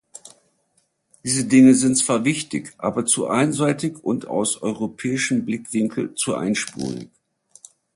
Diese Dinge sind zwar wichtig, aber zu einseitig und aus europäischem Blickwinkel zu einspurig.